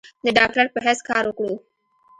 د ډاکټر پۀ حېث کار اوکړو ۔